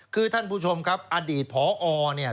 คือท่านผู้ชมครับอดีตพอเนี่ย